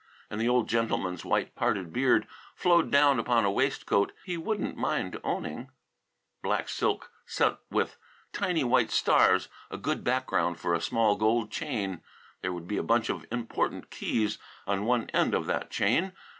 And the old gentleman's white parted beard flowed down upon a waistcoat he wouldn't mind owning: black silk set with tiny white stars, a good background for a small gold chain. There would be a bunch of important keys on one end of that chain.